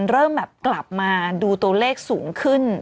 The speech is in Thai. เริ่มแบบกลับมาดูตัวเลขสูงขึ้น